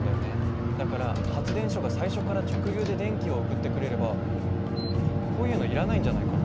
だから発電所が最初から直流で電気を送ってくれればこういうのいらないんじゃないかな。